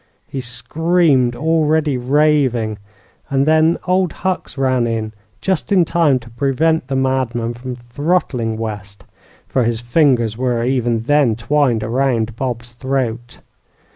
he screamed, already raving; and then Old Hucks ran in just in time to prevent the madman from throttling West, for his fingers were even then twined around Bob's throat.